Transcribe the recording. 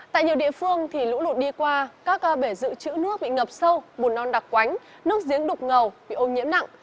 tại nhiều địa phương lũ lụt đi qua các bể dự trữ nước bị ngập sâu bùn non đặc quánh nước giếng đục ngầu bị ô nhiễm nặng